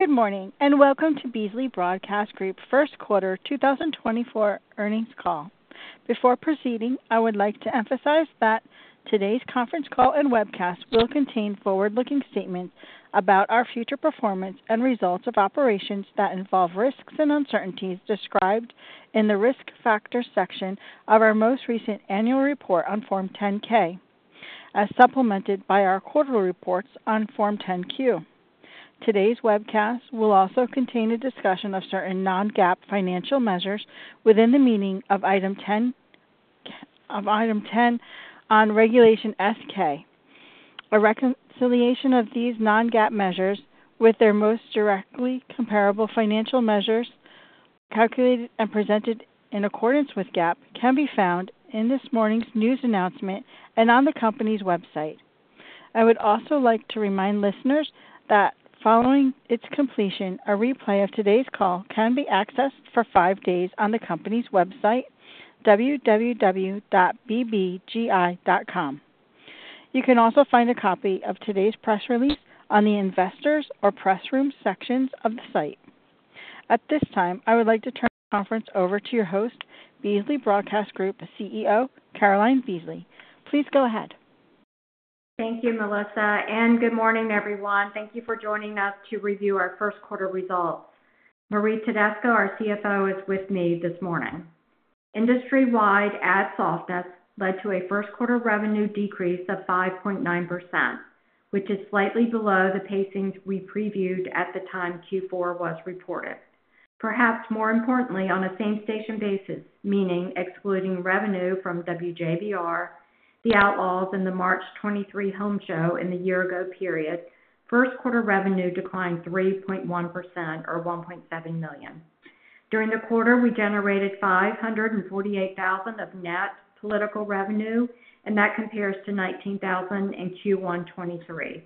Good morning and welcome to Beasley Broadcast Group First Quarter 2024 Earnings Call. Before proceeding, I would like to emphasize that today's conference call and webcast will contain forward-looking statements about our future performance and results of operations that involve risks and uncertainties described in the risk factors section of our most recent annual report on Form 10-K, as supplemented by our quarterly reports on Form 10-Q. Today's webcast will also contain a discussion of certain non-GAAP financial measures within the meaning of Item 10 on Regulation S-K. A reconciliation of these non-GAAP measures with their most directly comparable financial measures, calculated and presented in accordance with GAAP, can be found in this morning's news announcement and on the company's website. I would also like to remind listeners that following its completion, a replay of today's call can be accessed for five days on the company's website, www.bbgi.com. You can also find a copy of today's press release on the investors or pressroom sections of the site. At this time, I would like to turn the conference over to your host, Beasley Broadcast Group CEO Caroline Beasley. Please go ahead. Thank you, Melissa, and good morning, everyone. Thank you for joining us to review our first quarter results. Marie Tedesco, our CFO, is with me this morning. Industry-wide ad softness led to a first quarter revenue decrease of 5.9%, which is slightly below the pacings we previewed at the time Q4 was reported. Perhaps more importantly, on a same-station basis, meaning excluding revenue from WJBR, the Outlaws, and the March 2023 home show in the year-ago period, first quarter revenue declined 3.1% or $1.7 million. During the quarter, we generated $548,000 of net political revenue, and that compares to $19,000 in Q1 2023.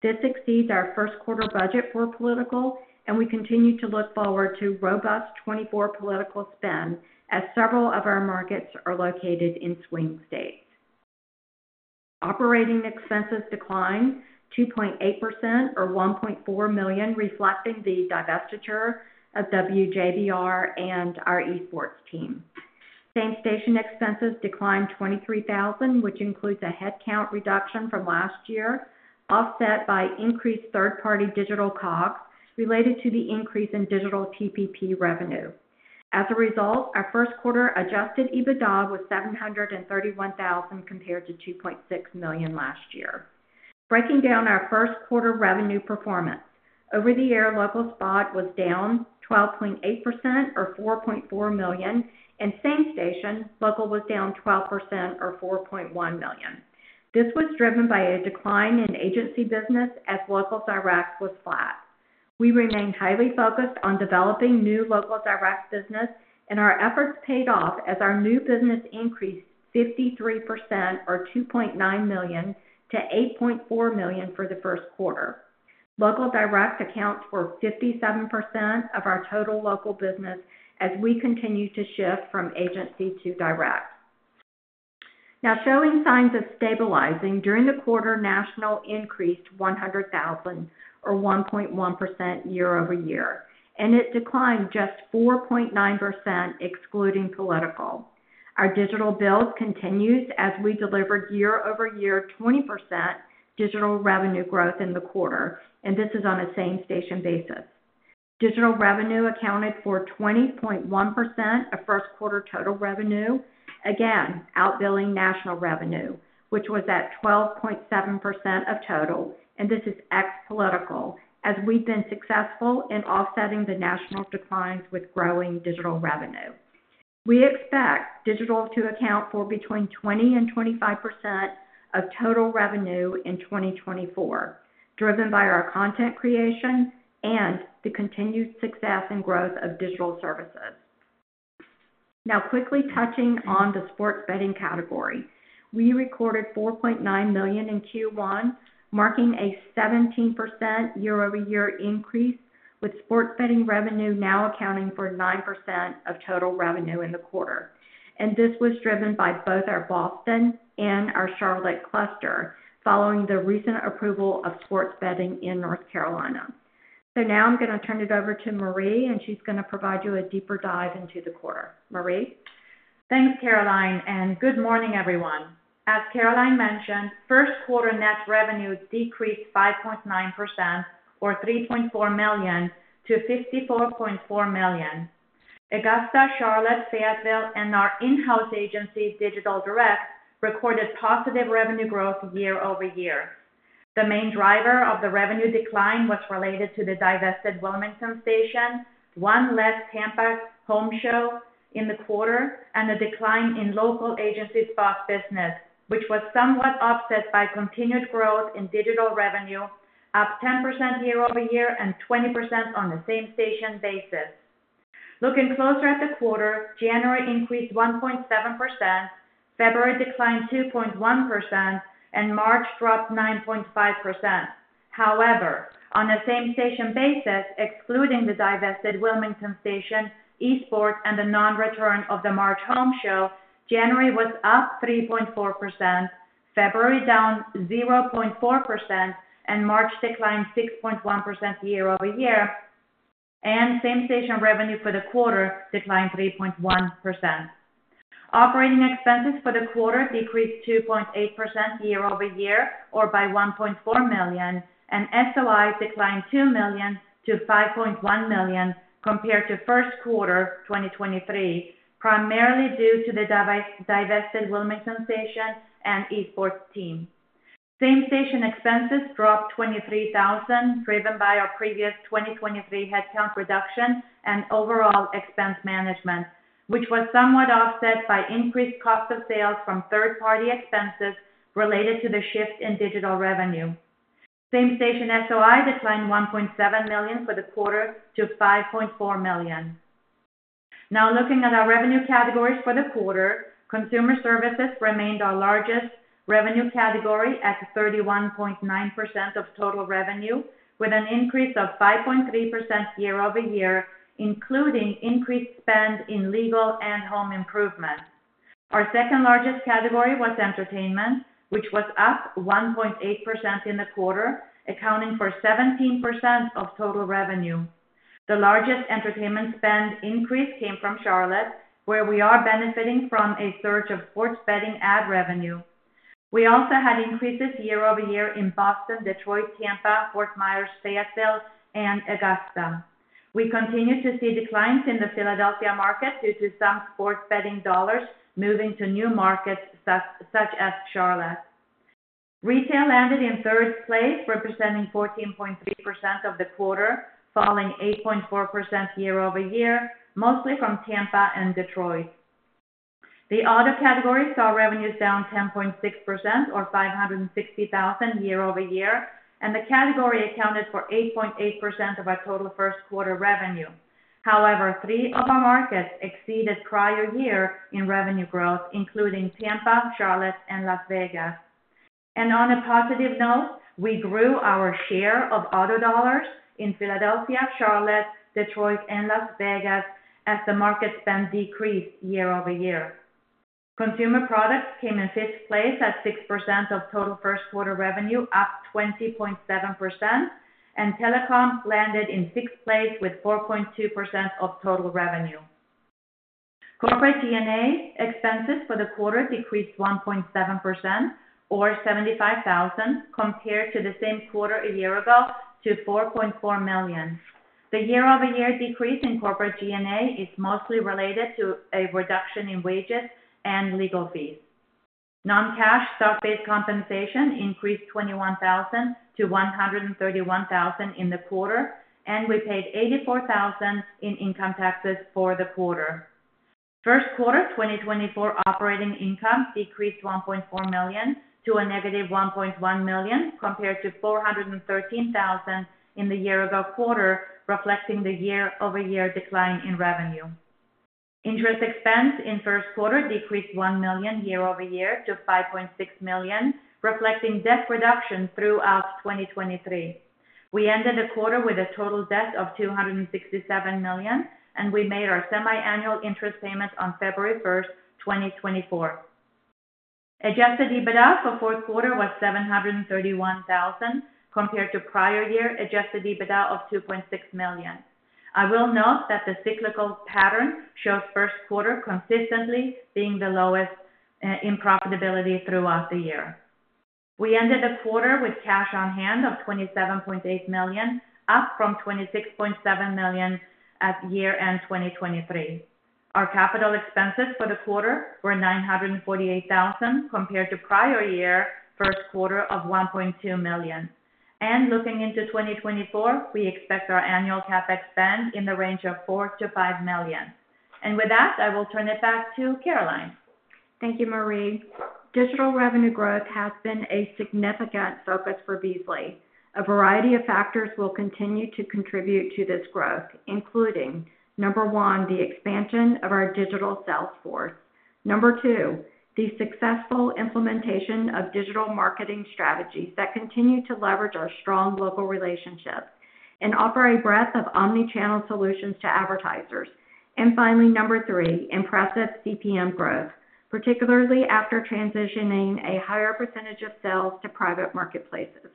This exceeds our first quarter budget for political, and we continue to look forward to robust 2024 political spend as several of our markets are located in swing states. Operating expenses declined 2.8% or $1.4 million, reflecting the divestiture of WJBR and our esports team. Same-station expenses declined $23,000, which includes a headcount reduction from last year offset by increased third-party digital COGS related to the increase in digital TPP revenue. As a result, our first quarter adjusted EBITDA was $731,000 compared to $2.6 million last year. Breaking down our first quarter revenue performance, over-the-air local spot was down 12.8% or $4.4 million, and same-station local was down 12% or $4.1 million. This was driven by a decline in agency business as local directs was flat. We remain highly focused on developing new local directs business, and our efforts paid off as our new business increased 53% or $2.9 million-$8.4 million for the first quarter. Local directs account for 57% of our total local business as we continue to shift from agency to directs. Now, showing signs of stabilizing during the quarter, national increased $100,000 or 1.1% year-over-year, and it declined just 4.9% excluding political. Our digital build continues as we delivered year-over-year 20% digital revenue growth in the quarter, and this is on a same-station basis. Digital revenue accounted for 20.1% of first quarter total revenue, again outbilling national revenue, which was at 12.7% of total, and this is ex-political as we've been successful in offsetting the national declines with growing digital revenue. We expect digital to account for between 20% and 25% of total revenue in 2024, driven by our content creation and the continued success and growth of digital services. Now, quickly touching on the sports betting category, we recorded $4.9 million in Q1, marking a 17% year-over-year increase with sports betting revenue now accounting for 9% of total revenue in the quarter. This was driven by both our Boston and our Charlotte cluster following the recent approval of sports betting in North Carolina. Now I'm going to turn it over to Marie, and she's going to provide you a deeper dive into the quarter. Marie? Thanks, Caroline, and good morning, everyone. As Caroline mentioned, first quarter net revenue decreased 5.9% or $3.4 million-$54.4 million. Augusta, Charlotte, Fayetteville, and our in-house agency Digital Direct recorded positive revenue growth year-over-year. The main driver of the revenue decline was related to the divested Wilmington station, one less Tampa home show in the quarter, and a decline in local agency spot business, which was somewhat offset by continued growth in digital revenue up 10% year-over-year and 20% on the same-station basis. Looking closer at the quarter, January increased 1.7%, February declined 2.1%, and March dropped 9.5%. However, on a same-station basis, excluding the divested Wilmington station, esports, and the non-return of the March home show, January was up 3.4%, February down 0.4%, and March declined 6.1% year-over-year, and same-station revenue for the quarter declined 3.1%. Operating expenses for the quarter decreased 2.8% year-over-year or by $1.4 million, and SOI declined $2 million to $5.1 million compared to first quarter 2023, primarily due to the divested Wilmington station and esports team. Same-station expenses dropped $23,000 driven by our previous 2023 headcount reduction and overall expense management, which was somewhat offset by increased cost of sales from third-party expenses related to the shift in digital revenue. Same-station SOI declined $1.7 million for the quarter to $5.4 million. Now, looking at our revenue categories for the quarter, consumer services remained our largest revenue category at 31.9% of total revenue, with an increase of 5.3% year-over-year, including increased spend in legal and home improvements. Our second-largest category was entertainment, which was up 1.8% in the quarter, accounting for 17% of total revenue. The largest entertainment spend increase came from Charlotte, where we are benefiting from a surge of sports betting ad revenue. We also had increases year-over-year in Boston, Detroit, Tampa, Fort Myers, Fayetteville, and Augusta. We continue to see declines in the Philadelphia market due to some sports betting dollars moving to new markets such as Charlotte. Retail landed in third place, representing 14.3% of the quarter, falling 8.4% year-over-year, mostly from Tampa and Detroit. The auto category saw revenues down 10.6% or $560,000 year-over-year, and the category accounted for 8.8% of our total first quarter revenue. However, three of our markets exceeded prior year in revenue growth, including Tampa, Charlotte, and Las Vegas. On a positive note, we grew our share of auto dollars in Philadelphia, Charlotte, Detroit, and Las Vegas as the market spend decreased year-over-year. Consumer products came in fifth place at 6% of total first quarter revenue, up 20.7%, and telecom landed in sixth place with 4.2% of total revenue. Corporate G&A expenses for the quarter decreased 1.7% or $75,000 compared to the same quarter a year ago to $4.4 million. The year-over-year decrease in corporate G&A is mostly related to a reduction in wages and legal fees. Non-cash stock-based compensation increased $21,000-$131,000 in the quarter, and we paid $84,000 in income taxes for the quarter. First quarter 2024 operating income decreased $1.4 million to a negative $1.1 million compared to $413,000 in the year-ago quarter, reflecting the year-over-year decline in revenue. Interest expense in first quarter decreased $1 million year-over-year to $5.6 million, reflecting debt reduction throughout 2023. We ended the quarter with a total debt of $267 million, and we made our semi-annual interest payment on February 1st, 2024. Adjusted EBITDA for fourth quarter was $731,000 compared to prior year adjusted EBITDA of $2.6 million. I will note that the cyclical pattern shows first quarter consistently being the lowest in profitability throughout the year. We ended the quarter with cash on hand of $27.8 million, up from $26.7 million at year-end 2023. Our capital expenses for the quarter were $948,000 compared to prior year first quarter of $1.2 million. And looking into 2024, we expect our annual CapEx spend in the range of $4 million-$5 million. And with that, I will turn it back to Caroline. Thank you, Marie. Digital revenue growth has been a significant focus for Beasley. A variety of factors will continue to contribute to this growth, including number one, the expansion of our digital sales force, number two, the successful implementation of digital marketing strategies that continue to leverage our strong local relationships and offer a breadth of omnichannel solutions to advertisers, and finally, number three, impressive CPM growth, particularly after transitioning a higher percentage of sales to private marketplaces.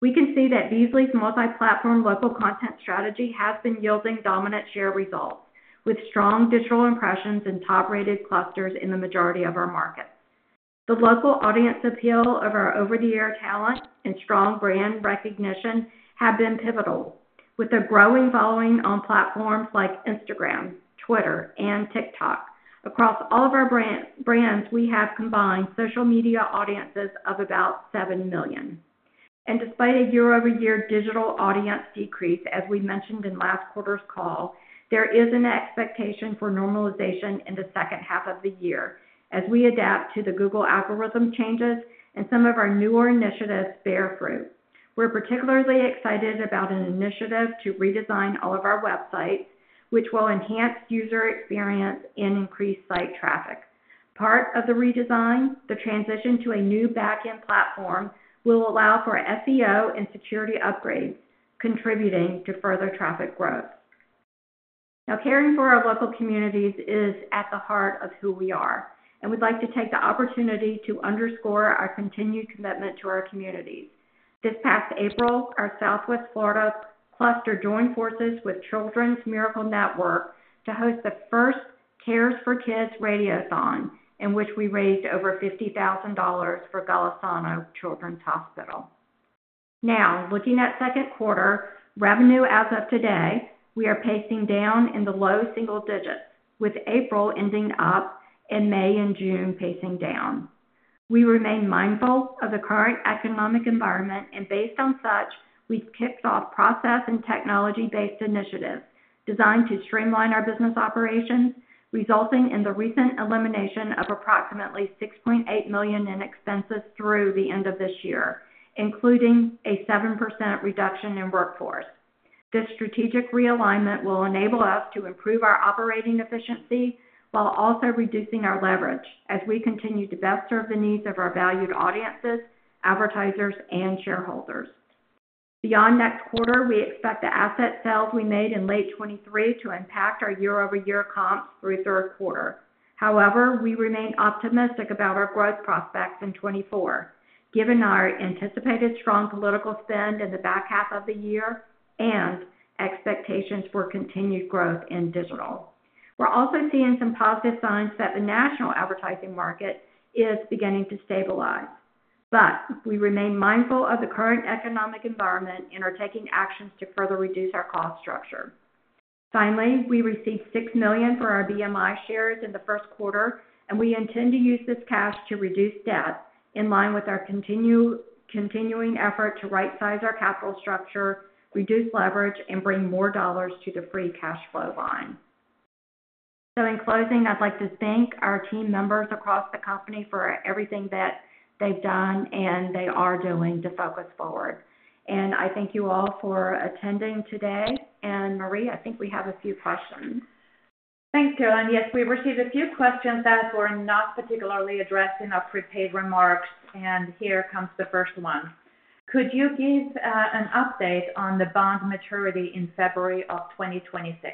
We can see that Beasley's multi-platform local content strategy has been yielding dominant share results with strong digital impressions in top-rated clusters in the majority of our markets. The local audience appeal of our over-the-air talent and strong brand recognition have been pivotal, with a growing following on platforms like Instagram, Twitter, and TikTok. Across all of our brands, we have combined social media audiences of about 7 million. Despite a year-over-year digital audience decrease, as we mentioned in last quarter's call, there is an expectation for normalization in the second half of the year as we adapt to the Google algorithm changes and some of our newer initiatives bear fruit. We're particularly excited about an initiative to redesign all of our websites, which will enhance user experience and increase site traffic. Part of the redesign, the transition to a new backend platform, will allow for SEO and security upgrades, contributing to further traffic growth. Now, caring for our local communities is at the heart of who we are, and we'd like to take the opportunity to underscore our continued commitment to our communities. This past April, our Southwest Florida cluster joined forces with Children's Miracle Network to host the first Cares for Kids Radiothon, in which we raised over $50,000 for Golisano Children's Hospital. Now, looking at second quarter revenue as of today, we are pacing down in the low single digits, with April ending up and May and June pacing down. We remain mindful of the current economic environment, and based on such, we've kicked off process and technology-based initiatives designed to streamline our business operations, resulting in the recent elimination of approximately $6.8 million in expenses through the end of this year, including a 7% reduction in workforce. This strategic realignment will enable us to improve our operating efficiency while also reducing our leverage as we continue to best serve the needs of our valued audiences, advertisers, and shareholders. Beyond next quarter, we expect the asset sales we made in late 2023 to impact our year-over-year comps through third quarter. However, we remain optimistic about our growth prospects in 2024, given our anticipated strong political spend in the back half of the year and expectations for continued growth in digital. We're also seeing some positive signs that the national advertising market is beginning to stabilize, but we remain mindful of the current economic environment and are taking actions to further reduce our cost structure. Finally, we received $6 million for our BMI shares in the first quarter, and we intend to use this cash to reduce debt in line with our continuing effort to right-size our capital structure, reduce leverage, and bring more dollars to the free cash flow line. So in closing, I'd like to thank our team members across the company for everything that they've done and they are doing to focus forward. And I thank you all for attending today. Marie, I think we have a few questions. Thanks, Caroline. Yes, we received a few questions that were not particularly addressed in our prepared remarks, and here comes the first one. Could you give an update on the bond maturity in February of 2026?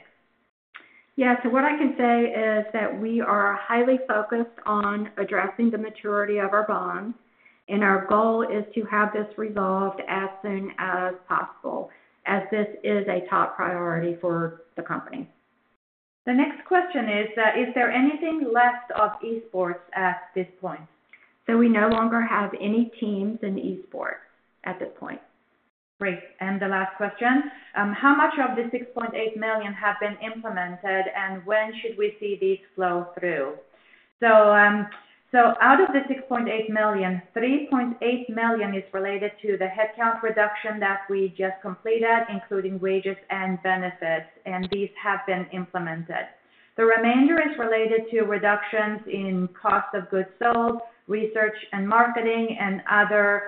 Yeah. So what I can say is that we are highly focused on addressing the maturity of our bonds, and our goal is to have this resolved as soon as possible, as this is a top priority for the company. The next question is, is there anything left of esports at this point? We no longer have any teams in esports at this point. Great. And the last question, how much of the $6.8 million have been implemented, and when should we see these flow through? So out of the $6.8 million, $3.8 million is related to the headcount reduction that we just completed, including wages and benefits, and these have been implemented. The remainder is related to reductions in cost of goods sold, research and marketing, and other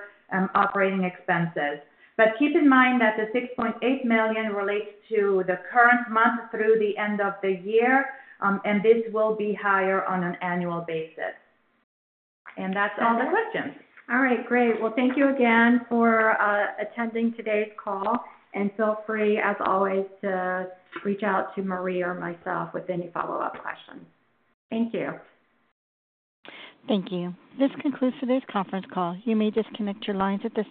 operating expenses. But keep in mind that the $6.8 million relates to the current month through the end of the year, and this will be higher on an annual basis. And that's all the questions. All right. Great. Well, thank you again for attending today's call, and feel free, as always, to reach out to Marie or myself with any follow-up questions. Thank you. Thank you. This concludes today's conference call. You may disconnect your lines at the.